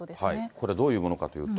これ、どういうものかというと。